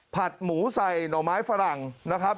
หมูใส่หน่อไม้ฝรั่งนะครับ